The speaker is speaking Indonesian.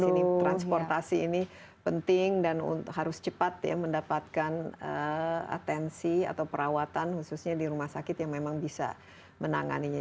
di sini transportasi ini penting dan harus cepat ya mendapatkan atensi atau perawatan khususnya di rumah sakit yang memang bisa menanganinya